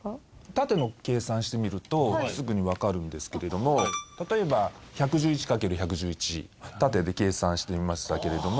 縦の計算してみるとすぐにわかるんですけれども例えば１１１掛ける１１１縦で計算してみましたけれども。